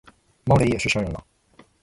猫雷也是神人了